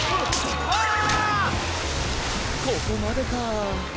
ここまでか。